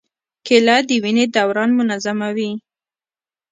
کېله د وینې دوران منظموي.